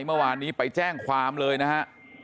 เมื่อวานนี้ไปแจ้งความเลยนะฮะ